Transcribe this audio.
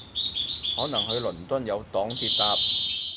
可能去倫敦有黨鐵搭